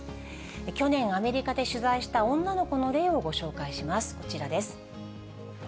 去年、アメリカで取材した女の子の例をご紹介します、こちらです。